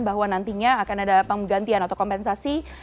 bahwa nantinya akan ada penggantian atau kompensasi